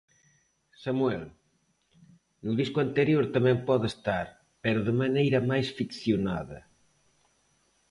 Samuel: No disco anterior tamén pode estar, pero de maneira máis ficcionada.